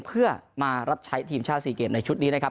เพื่อมารับใช้ทีมชาติ๔เกมในชุดนี้นะครับ